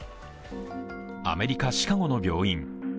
アメリカ・シカゴの病院。